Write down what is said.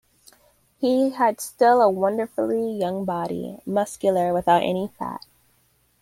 He had still a wonderfully young body: muscular, without any fat.